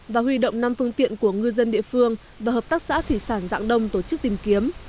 và huy động năm phương tiện của ngư dân địa phương và hợp tác xã thủy sản dạng đông tổ chức tìm kiếm